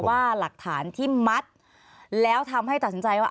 ว่าหลักฐานที่มัดแล้วทำให้ตัดสินใจว่า